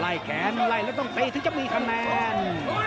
ไล่แขนฆ์ไร่แล้วต้องเตะสำหรับจะมีคะแนน